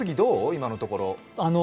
今のところ？